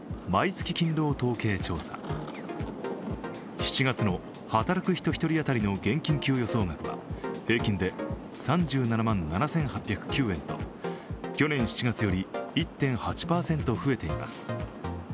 ７月の働く人１人当たりの現金給与総額は、平均で３７万７８０９円と去年７月より１．８％増えています。